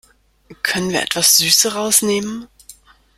Können wir etwas Süße rausnehmen?